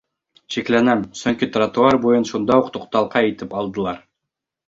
Шикләнәм, сөнки тротуар буйын шунда уҡ туҡталҡа итеп алдылар...